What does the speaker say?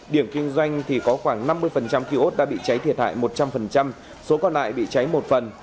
điểm kinh doanh thì có khoảng năm mươi kiosk đã bị cháy thiệt hại một trăm linh số còn lại bị cháy một phần